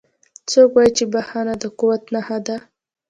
څوک وایي چې بښنه د قوت نښه ده